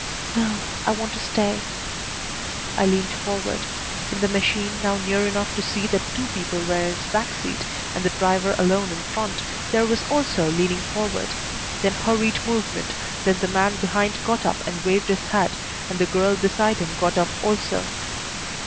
"No. I want to stay." I leaned forward. In the machine, now near enough to see that two people were in its back seat and the driver alone in front, there was also leaning forward; then hurried movement, then the man behind got up and waved his hat, and the girl beside him got up also.